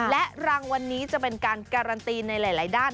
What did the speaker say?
และรางวัลนี้จะเป็นการการันตีในหลายด้าน